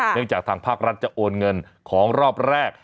จากทางภาครัฐจะโอนเงินของรอบแรก